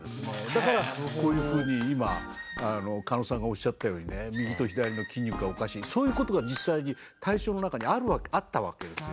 だからこういうふうに今加納さんがおっしゃったようにね右と左の筋肉がおかしいそういうことが実際に対象の中にあったわけですよね。